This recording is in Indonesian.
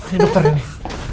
ini dokter ini